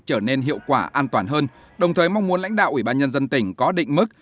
trở nên hiệu quả an toàn hơn đồng thời mong muốn lãnh đạo ủy ban nhân dân tỉnh có định mức